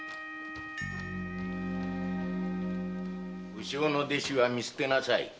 不肖の弟子は見捨てなさい。